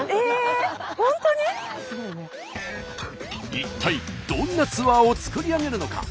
一体どんなツアーを作り上げるのか？